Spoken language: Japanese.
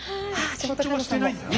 緊張はしてないんだよね？